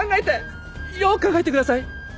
よく考えてください。